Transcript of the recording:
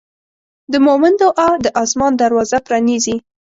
د مؤمن دعا د آسمان دروازه پرانیزي.